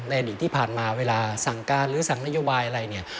ในอดีตที่ผ่านมาเวลาต้องการหรือต้องการนโยบายอะไร